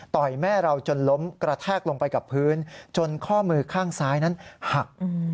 แม่เราจนล้มกระแทกลงไปกับพื้นจนข้อมือข้างซ้ายนั้นหัก